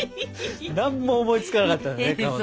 何も思いつかなかったんだねかまど。